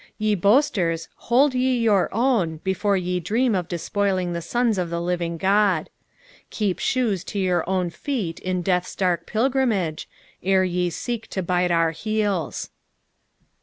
Te boasters, hold ye your own, before ye dream of despoiling the tons of the living God. Keep shoes to yuur own feet In death's dark pilgrimage, ere ye seek to bite our heels.